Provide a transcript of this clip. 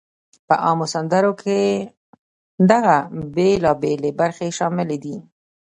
په عامو سندرو کې دغه بېلابېلی برخې شاملې دي: